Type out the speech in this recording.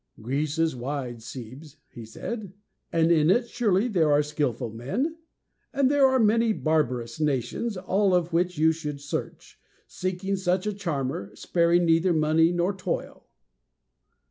"'Greece is wide, Cebes,' he said, 'and in it surely there are skillful men; and there are many barbarous nations, all of which you should search, seeking such a charmer, sparing neither money nor toil.'"